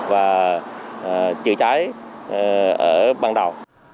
và chữa trái ở ban đầu